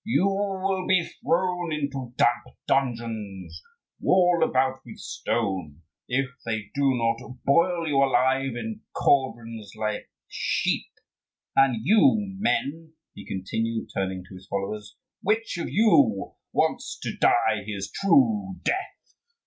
You will be thrown into damp dungeons, walled about with stone, if they do not boil you alive in cauldrons like sheep. And you, men," he continued, turning to his followers, "which of you wants to die his true death?